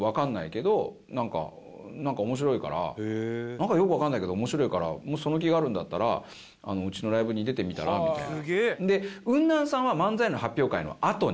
なんかよくわからないけど面白いからその気があるんだったらうちのライブに出てみたら？みたいな。